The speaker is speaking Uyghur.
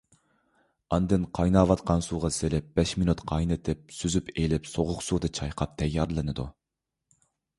ئاندىن قايناۋاتقان سۇغا سېلىپ بەش مىنۇت قاينىتىپ، سۈزۈپ ئېلىپ سوغۇق سۇدا چايقاپ تەييارلىنىدۇ.